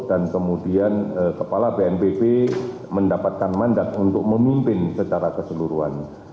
dan kemudian kepala bnpb mendapatkan mandat untuk memimpin secara keseluruhan